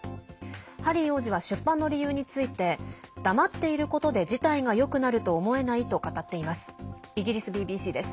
ハリー王子は出版の理由について黙っていることで事態がよくなると思えないと語っています。